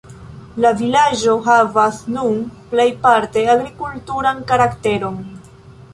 La vilaĝo havas nun plejparte agrikulturan karakteron.